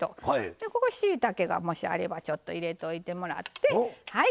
でここしいたけがもしあればちょっと入れといてもらってはい。